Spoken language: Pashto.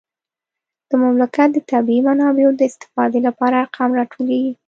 د مملکت د طبیعي منابعو د استفادې لپاره ارقام راټولیږي